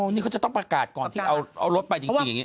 นี่เขาจะต้องประกาศก่อนที่เอารถไปจริงอย่างนี้